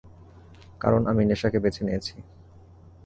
কারণ আমি নেশাকে বেছে নিয়েছি!